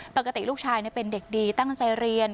ปกติลูกชายเป็นเด็กดีตั้งใจเรียน